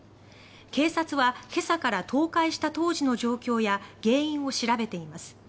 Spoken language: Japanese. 警察は、今朝から倒壊した当時の状況や原因を調べています。